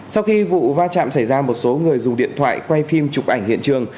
sau khi vụ va chạm xảy ra một số người dùng điện thoại quay phim chụp ảnh hiện trường